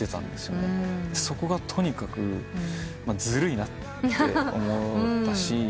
そこがとにかくずるいなって思ったし